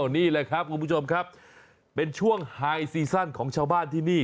นี่แหละครับคุณผู้ชมครับเป็นช่วงไฮซีซั่นของชาวบ้านที่นี่